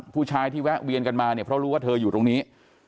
ผู้ชายที่แวะเวียนกันมาเนี่ยเพราะรู้ว่าเธออยู่ตรงนี้